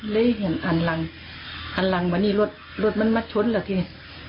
เลยเห็นอันหลังอันหลังวันนี้รถรถมันมาช้นแหละที่นี่